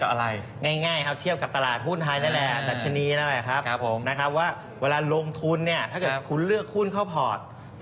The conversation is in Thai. ว่าเวลาลงทุนถ้าเกิดคุณเลือกหุ้นเข้าพอร์ต